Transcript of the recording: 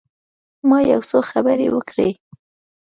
ما یو څو خبرې وکړې.